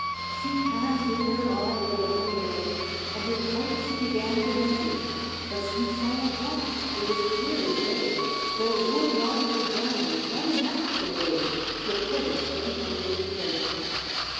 She cast in her eye where the honey lay, And her pipe she began to measure; But she saw at once it was clear as day, That it would not go down one half the way To the place of the envied treasure.